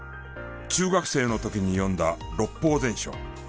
中学生の時に読んだ『六法全書』。